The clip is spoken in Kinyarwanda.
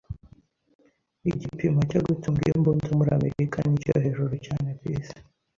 Igipimo cyo gutunga imbunda muri Amerika nicyo hejuru cyane kwisi.